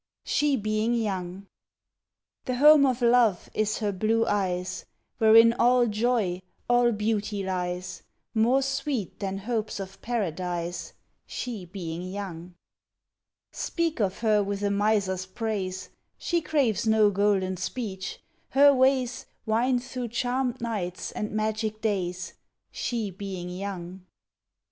She Being Young The home of love is her blue eyes, Wherein all joy, all beauty lies, More sweet than hopes of paradise, She being young. Speak of her with a miser's praise; She craves no golden speech; her ways Wind through charmed nights and magic days, She being young.